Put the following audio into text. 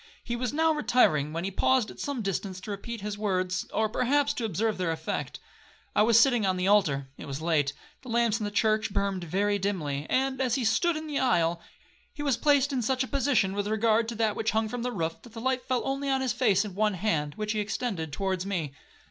He was now retiring, when he paused at some distance to repeat his last words, or perhaps to observe their effect. I was sitting on the altar,—it was late,—the lamps in the church burned very dimly, and, as he stood in the aisle, he was placed in such a position, with regard to that which hung from the roof, that the light fell only on his face and one hand, which he extended towards me.